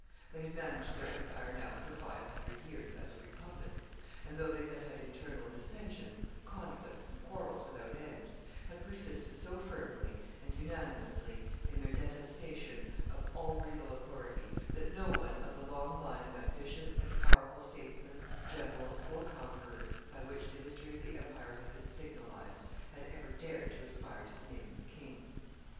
They had managed their empire now for five hundred years as a republic, and though they had had internal dissensions, conflicts, and quarrels without end, had persisted so firmly and unanimously in their detestation of all regal authority, that no one of the long line of ambitious and powerful statesmen, generals, or conquerors by which the history of the empire had been signalized, had ever dared to aspire to the name of king.